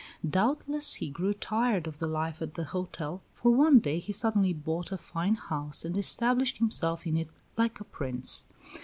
Doubtless he grew tired of the life at the hotel, for one day he suddenly bought a fine house and established himself in it like a prince.